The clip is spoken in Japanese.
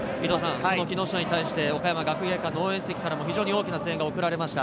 木下に対して応援席からも非常に大きな声援が送られました。